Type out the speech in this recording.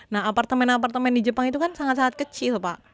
nah apartemen apartemen di jepang itu kan sangat sangat kecil pak